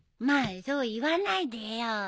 まあそう言わないでよ。